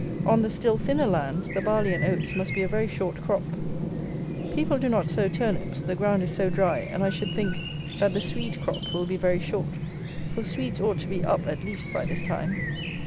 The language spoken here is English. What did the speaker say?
On the still thinner lands the barley and oats must be a very short crop. People do not sow turnips, the ground is so dry, and, I should think, that the Swede crop will be very short; for Swedes ought to be up at least by this time.